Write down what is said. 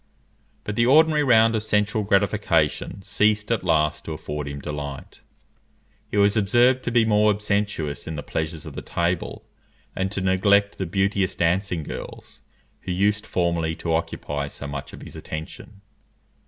But the ordinary round of sensual gratification ceased at last to afford him delight; he was observed to be more abstemious in the pleasures of the table, and to neglect the beauteous dancing girls who used formerly to occupy so much of his attention.